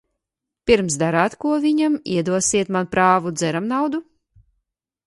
Pirms darāt ko viņam, iedosiet man prāvu dzeramnaudu?